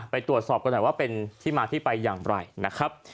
ไปตรวจสอบกันหน่อยว่าเป็นที่มาที่ไปอย่างไรนะครับ